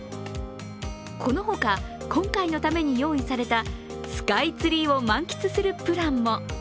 この他、今回のために用意されたスカイツリーを満喫するプランも。